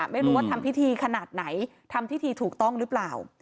ไม่รู้ว่าทำพิธีขนาดไหนทำพิธีถูกต้องหรือเปล่า